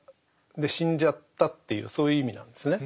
で死んじゃったっていうそういう意味なんですね。